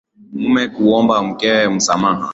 Mume kuomba mkewe msamaha